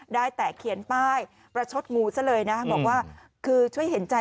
ได้แต่เขียนป้ายประชดงูซะเลยนะบอกว่าคือช่วยเห็นใจ